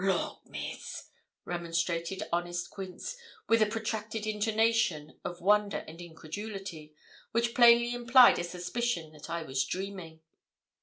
'Lawk, Miss!' remonstrated honest Quince, with a protracted intonation of wonder and incredulity, which plainly implied a suspicion that I was dreaming.